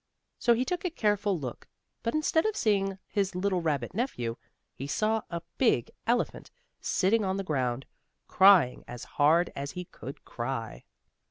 So he took a careful look, but instead of seeing his little rabbit nephew, he saw a big elephant, sitting on the ground, crying as hard as he could cry.